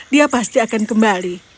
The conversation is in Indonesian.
dia pasti akan kembali